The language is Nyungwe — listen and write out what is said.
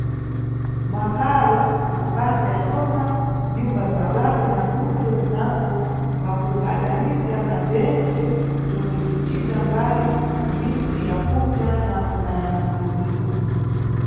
Mʼmakaro, mʼmabasa ya boma, nʼnyumba za ulapi na mbuto zinango, pakuphataniza na bzentse bzomwe bzinʼcita mbali mʼmidzi ya kunja napo na ya mʼmizinda.